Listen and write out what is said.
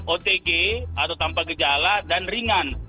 otg atau tanpa gejala dan ringan